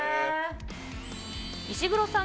石黒さん